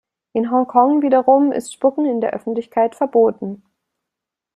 In Hongkong wiederum ist Spucken in der Öffentlichkeit verboten.